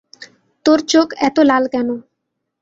তোর চোখ এতো লাল কেন?